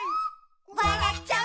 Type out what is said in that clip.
「わらっちゃう」